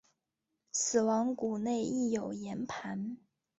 死亡谷内亦有盐磐。